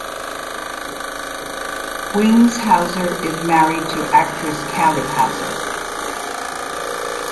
Wings Hauser is married to actress Cali Hauser.